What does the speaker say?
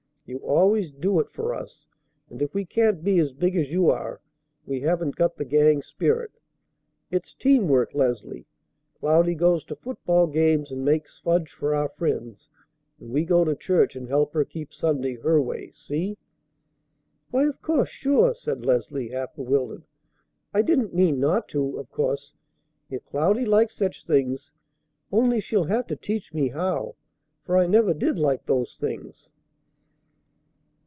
You always do it for us; and, if we can't be as big as you are, we haven't got the gang spirit. It's teamwork, Leslie. Cloudy goes to football games, and makes fudge for our friends; and we go to church and help her keep Sunday her way. See?" "Why, of course! Sure!" said Leslie, half bewildered. "I didn't mean not to, of course, if Cloudy likes such things; only she'll have to teach me how, for I never did like those things."